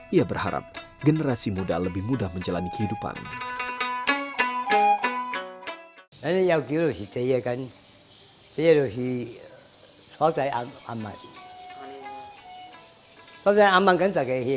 ia berharap generasi muda lebih mudah menjaga kemampuan